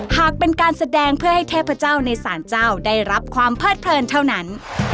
หากเป็นการแสดงเพื่อให้เทพเจ้าในสารเจ้าได้รับความเพิดเพลินเท่านั้น